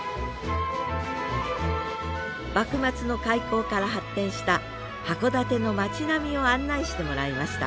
幕末の開港から発展した函館の町並みを案内してもらいました